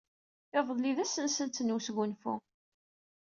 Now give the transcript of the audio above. Iḍelli d ass-nsent n wesgunfu.